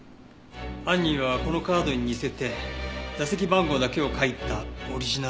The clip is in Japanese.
犯人はこのカードに似せて座席番号だけを書いたオリジナルを作った。